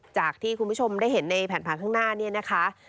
จากที่คุณผู้ชมได้เห็นในแผ่นผ่านข้างหน้า